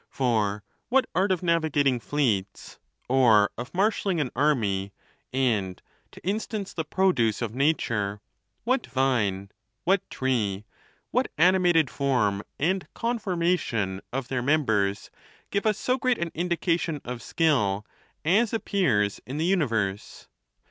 For what art of navigating fleets, or of marshalling an army, and — to instance the produce of nature — what vine, what tree, what animated form and conformation of their mem bers, give us so great an indication of skill as appears in jthe universe?